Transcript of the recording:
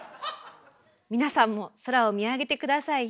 皆さんも空を見上げて下さいね。